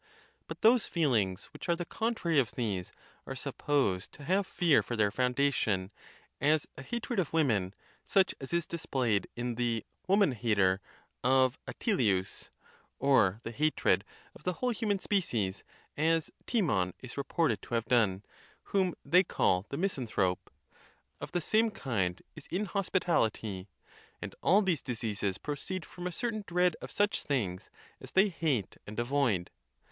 But those feelings which are the contrary of these are supposed to have fear for their foundation, as a hatred of wonien, such as is displayed in the Woman hater of Atil ius; or the hatred of the whole human species, as Timon is reported to have done, whom they eall the Misanthrope. Of the same kind is inhospitality. And all these diseases proceed from a certain dread of such things as they hate and avoid.